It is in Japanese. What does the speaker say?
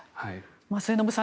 末延さん